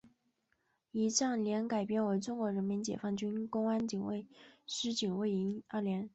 仪仗连改编为中国人民解放军公安警卫师警卫营二连。